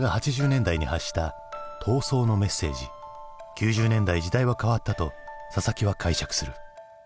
９０年代時代は変わったと佐々木は解釈する。